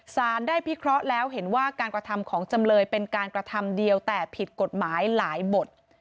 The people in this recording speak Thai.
สารได้พิเคราะห์แล้วเห็นว่าการกระทำของจำเลยเป็นการกระทำเดียวแต่ผิดกฎหมายหลายบท